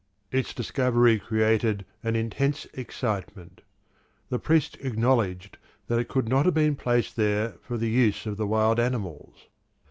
Its discovery created an intense excitement: the priests acknowledged that it could not have been placed there for the use of the wild animals.